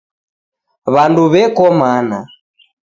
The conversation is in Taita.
Wandu weko mana